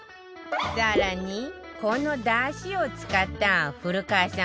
更にこのだしを使った古川さん